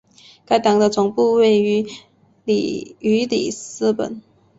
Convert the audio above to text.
该党的总部位于里斯本。